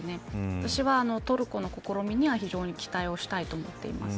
私はトルコの試みには非常に期待をしたいと思っています。